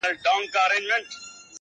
کله زيات او کله کم درپسې ژاړم _